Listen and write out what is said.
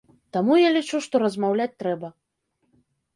Таму я лічу, што размаўляць трэба.